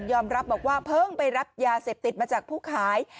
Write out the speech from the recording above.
รับบอกว่าเพิ่งไปรับยาเสพติดมาจากผู้ขาย